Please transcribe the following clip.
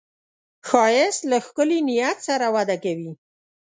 ښایست له ښکلي نیت سره وده کوي